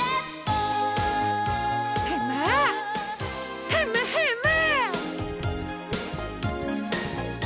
ヘムヘムヘム！